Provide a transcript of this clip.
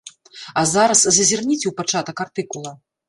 А зараз зазірніце ў пачатак артыкула.